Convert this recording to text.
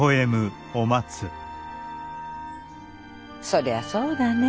そりゃそうだね。